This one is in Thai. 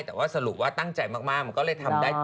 แต่ว่าสรุปว่าตั้งใจมากมันก็เลยทำได้